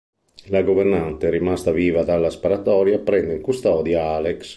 La governante, rimasta viva dalla sparatoria, prende in custodia Alex.